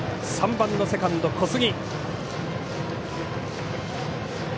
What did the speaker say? ３番のセカンド、小杉。